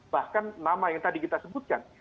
bahkan nama yang tadi kita sebutkan